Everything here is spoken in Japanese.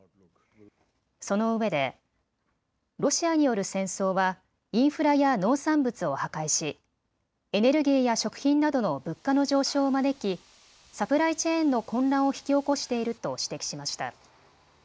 そのうえで、ロシアによる戦争はインフラや農産物を破壊し、エネルギーや食品などの物価の上昇を招きサプライチェーンの混乱を引き起こしていると指摘しました。